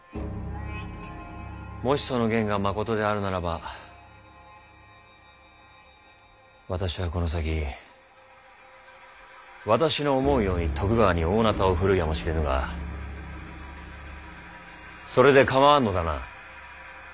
もしその言がまことであるならば私はこの先私の思うように徳川に大鉈を振るうやもしれぬがそれで構わぬのだな？